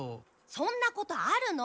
そんなことあるの。